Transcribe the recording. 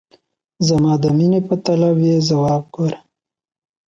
زما د میني په طلب یې ځواب ګوره !